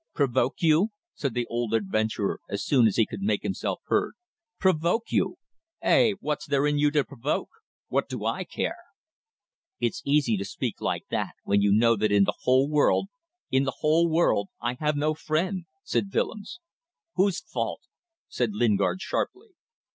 "Provoke you!" said the old adventurer, as soon as he could make himself heard. "Provoke you! Hey! What's there in you to provoke? What do I care?" "It is easy to speak like that when you know that in the whole world in the whole world I have no friend," said Willems. "Whose fault?" said Lingard, sharply.